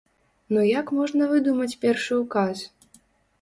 Ну як можна выдумаць першы указ?